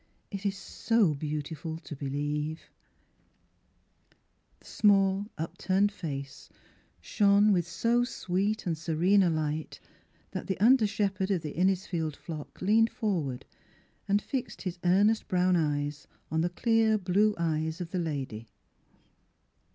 It is so beauti ful to believe !" The small, upturned face shone with so sweet and serene a light that the under shepherd of the Innisfield flock leaned forward and fixed his earnest brown eyes on the clear blue ^5 The Transfigttration of eyes of the lady.